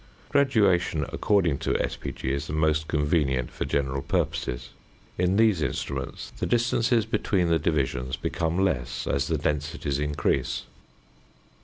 Graduation, according to sp. g. is the most convenient for general purposes. In these instruments the distances between the divisions become less as the densities increase.